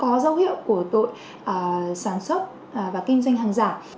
đó là dấu hiệu của tội sản xuất và kinh doanh hàng giả